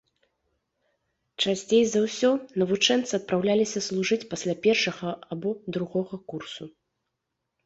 Часцей за ўсё навучэнцы адпраўляліся служыць пасля першага або другога курсу.